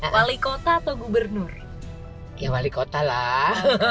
wali kota atau gubernur ya wali kota lah